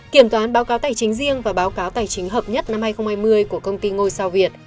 kiểm toán báo cáo tài chính riêng và báo cáo tài chính hợp nhất năm hai nghìn hai mươi của công ty ngôi sao việt